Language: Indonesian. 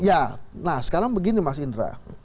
ya nah sekarang begini mas indra